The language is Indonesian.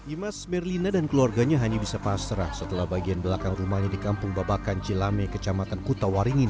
imas merlina dan keluarganya hanya bisa pasrah setelah bagian belakang rumahnya di kampung babakan cilame kecamatan kutawaringin